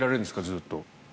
ずっと。